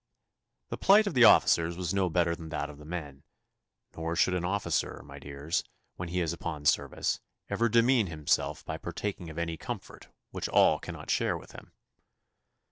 The plight of the officers was no better than that of the men, nor should an officer, my dears, when he is upon service, ever demean himself by partaking of any comfort which all cannot share with him.